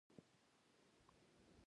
حرکت یوازې د ځواک په موجودیت کې بدل کېږي.